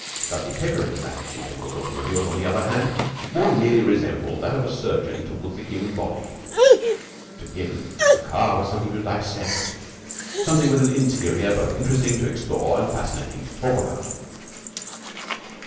Dudley Pickering's attitude towards automobiles, on the other hand, more nearly resembled that of a surgeon towards the human body. To him a car was something to dissect, something with an interior both interesting to explore and fascinating to talk about.